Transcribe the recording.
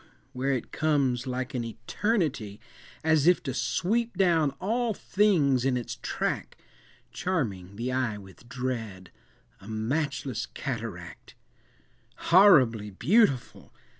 where it comes like an eternity, As if to sweep down all things in its track, Charming the eye with dread,—a matchless cataract, "Horribly beautiful!